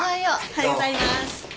おはようございます。